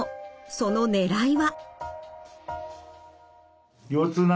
そのねらいは？